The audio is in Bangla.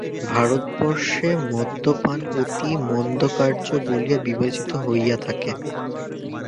ভারতবর্ষে মদ্যপান অতি মন্দকার্য বলিয়া বিবেচিত হইয়া থাকে।